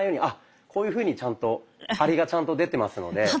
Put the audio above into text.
あっこういうふうにちゃんと張りがちゃんと出てますので。